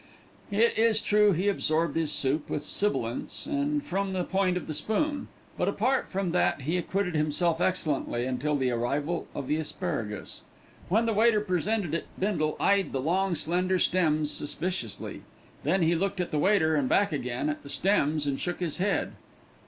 It is true he absorbed his soup with sibilance and from the point of the spoon; but apart from that he acquitted himself excellently until the arrival of the asparagus. When the waiter presented it Bindle eyed the long, slender stems suspiciously. Then he looked at the waiter and back again at the stems and shook his head.